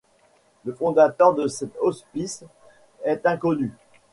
Le fondateur de cet hospice est inconnu.